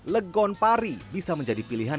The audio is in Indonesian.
legon pari bisa menjadi pilihan